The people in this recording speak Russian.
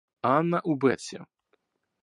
Анна у Бетси.